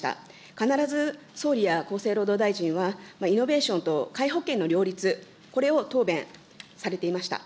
必ず総理や厚生労働大臣は、イノベーションと皆保険の両立、これを答弁されていました。